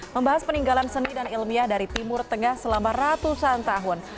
membahas peninggalan seni dan ilmiah dari timur tengah selama ratusan tahun